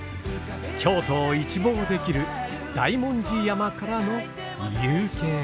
京都を一望できる大文字山からの夕景です。